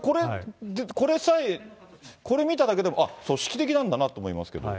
これさえ、これ見ただけでも、あっ、組織的なんだなと思いますけど。